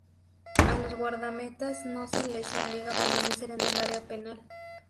A los guardametas no se les obliga a permanecer en el área penal.